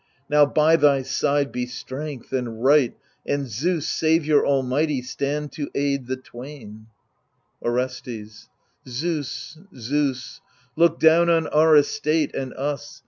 Now by thy side be strength and right, and Zeus Saviour almighty, stand to aid the twain t Orestes Zeus, Zeus t look down on our estate and us.